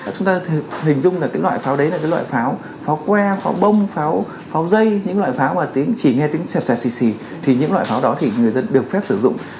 chúng ta hình dung là cái loại pháo đấy là cái loại pháo pháo que pháo bông pháo dây những loại pháo mà chỉ nghe tiếng xẹp xẹp xì xì thì những loại pháo đó thì người dân được phép sử dụng